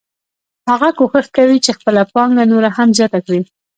هغه کوښښ کوي چې خپله پانګه نوره هم زیاته کړي